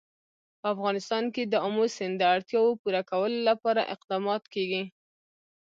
په افغانستان کې د آمو سیند د اړتیاوو پوره کولو لپاره اقدامات کېږي.